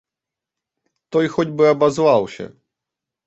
Той хоць бы абазваўся.